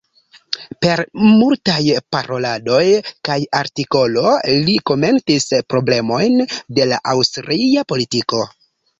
Per multaj paroladoj kaj artikolo li komentis problemojn de la aŭstria politiko.